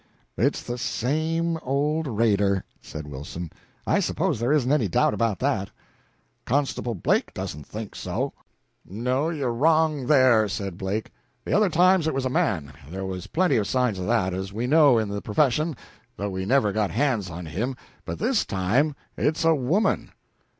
"It's the same old raider," said Wilson. "I suppose there isn't any doubt about that." "Constable Blake doesn't think so." "No, you're wrong there," said Blake; "the other times it was a man; there was plenty of signs of that, as we know, in the profession, though we never got hands on him; but this time it's a woman."